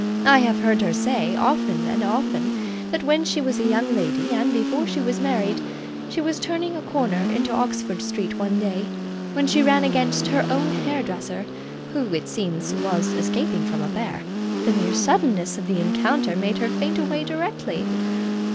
I have heard her say, often and often, that when she was a young lady, and before she was married, she was turning a corner into Oxford Street one day, when she ran against her own hairdresser, who, it seems, was escaping from a bear; the mere suddenness of the encounter made her faint away directly.